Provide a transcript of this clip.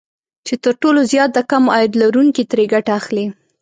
چې تر ټولو زيات د کم عاید لرونکي ترې ګټه اخلي